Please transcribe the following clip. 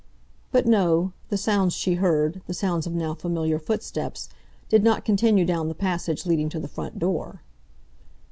But no; the sounds she heard, the sounds of now familiar footsteps, did not continue down the passage leading to the front door.